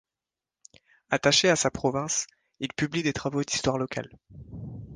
Attaché à sa province, il publie des travaux d’histoire locale.